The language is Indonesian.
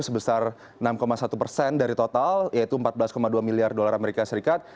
sebesar enam satu persen dari total yaitu empat belas dua miliar dolar amerika serikat